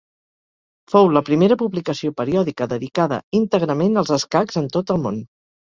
Fou la primera publicació periòdica dedicada íntegrament als escacs en tot el món.